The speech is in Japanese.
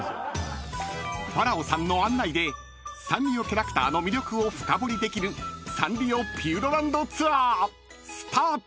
［ファラオさんの案内でサンリオキャラクターの魅力を深掘りできるサンリオピューロランドツアースタート！］